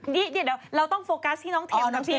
เดี๋ยวเราต้องโฟกัสที่น้องเทมน้ำสิ